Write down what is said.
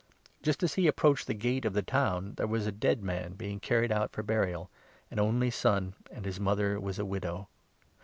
Just as he approached the gate of the town, there was a dead 12 man being carried out for burial — an only son, and his mother was a widow.